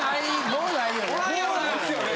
もうないですよね？